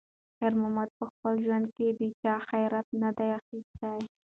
خیر محمد په خپل ژوند کې د چا خیرات نه دی اخیستی.